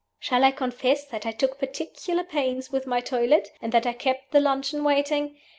Shall I confess that I took particular pains with my toilet, and that I kept the luncheon waiting?